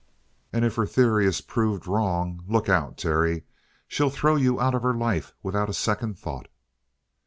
"And if her theory is proved wrong look out, Terry! She'll throw you out of her life without a second thought."